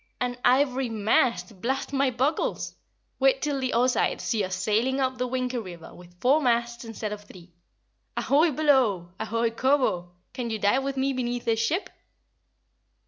An ivory mast, blast my buckles! Wait till the Ozites see us sailing up the Winkie River with four masts instead of three! Ahoy, below! Ahoy, Kobo! Can you dive with me beneath this ship?"